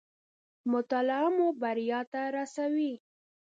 مطالعه مو بريا ته راسوي